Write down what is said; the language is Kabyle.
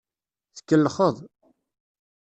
Tkellxeḍ.